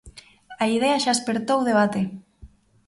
A idea xa espertou debate.